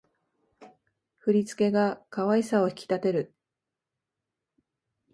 振り付けが可愛さを引き立てる